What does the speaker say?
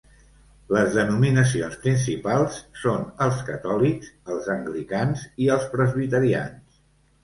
Les denominacions principals són els catòlics, els anglicans i els presbiterians.